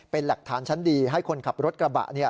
เป็นหลักฐานชั้นดีให้คนขับรถกระบะ